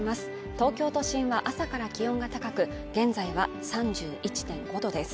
東京都心は朝から気温が高く、現在は３１．５度です。